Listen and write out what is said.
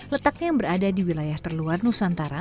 letaknya yang berada di wilayah terluar nusantara